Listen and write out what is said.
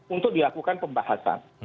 untuk dilakukan pembahasan